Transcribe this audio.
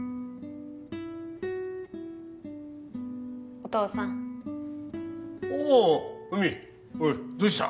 お父さんおお海おいどうした？